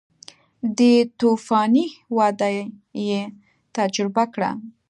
دې توفاني وده یې تجربه کړه